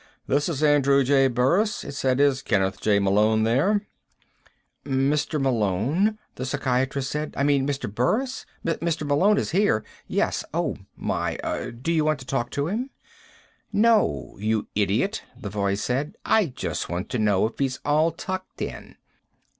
"This is Andrew J. Burris," it said. "Is Kenneth J. Malone there?" "Mr. Malone?" the psychiatrist said. "I mean, Mr. Burris? Mr. Malone is here. Yes. Oh, my. Do you want to talk to him?" "No, you idiot," the voice said. "I just want to know if he's all tucked in."